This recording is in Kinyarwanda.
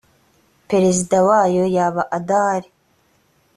perezida wayo yaba adahari